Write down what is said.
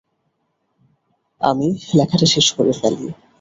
আমি লেখাটা শেষ করে ফেলি।